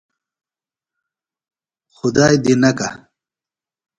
خدائیۡ دی نکہ۔